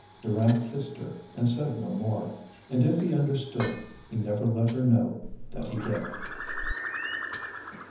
Durant kissed her and said no more. And if he understood, he never let her know that he did.